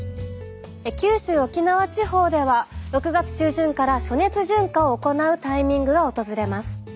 九州沖縄地方では６月中旬から暑熱順化を行うタイミングが訪れます。